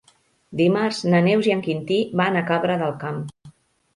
Dimarts na Neus i en Quintí van a Cabra del Camp.